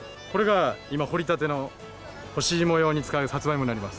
これが今、掘りたての干し芋用に使うサツマイモになります。